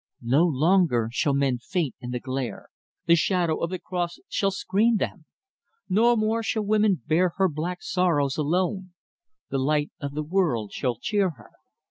No longer shall men faint in the glare the shadow of the Cross shall screen them. No more shall woman bear her black sorrows, alone; the Light of the World shall cheer her."